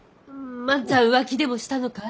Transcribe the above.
万ちゃん浮気でもしたのかい？